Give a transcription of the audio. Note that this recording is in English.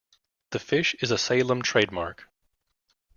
The Fish is a Salem trademark.